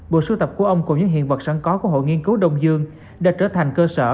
bộ sưu tập của ông cùng những hiện vật sẵn có của hội nghiên cứu đông dương đã trở thành cơ sở